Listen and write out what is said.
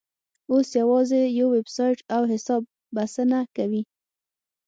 اوس یوازې یو ویبسایټ او حساب بسنه کوي.